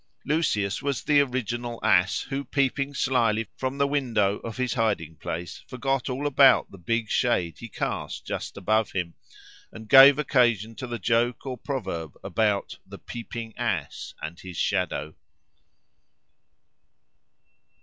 Lucius was the original ass, who peeping slily from the window of his hiding place forgot all about the big shade he cast just above him, and gave occasion to the joke or proverb about "the peeping ass and his shadow."